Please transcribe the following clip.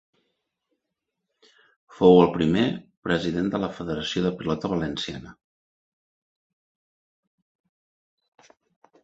Fou el primer president de la Federació de Pilota Valenciana.